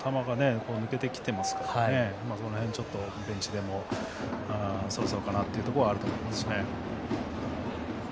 球が抜けてきていますからベンチでもそろそろかなというところはありますね。